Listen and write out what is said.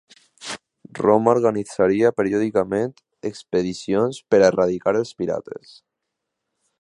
Roma organitzaria periòdicament expedicions per erradicar els pirates.